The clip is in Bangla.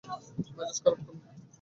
মেজাজ খারাপ এখন।